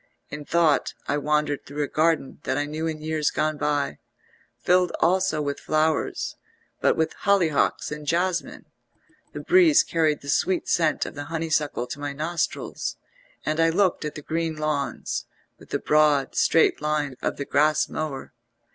In thought I wandered through a garden that I knew in years gone by, filled also with flowers, but with hollyhocks and jasmine; the breeze carried the sweet scent of the honeysuckle to my nostrils, and I looked at the green lawns, with the broad, straight lines of the grass mower.